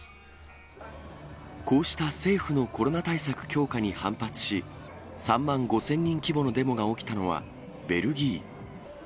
こうした政府のコロナ対策強化に反発し、３万５０００人規模のデモが起きたのは、ベルギー。